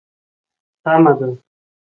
سمه ده.